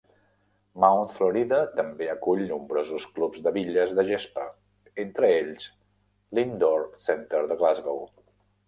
Mount Florida també acull nombrosos clubs de bitlles de gespa, entre ells l'Indoor Centre de Glasgow.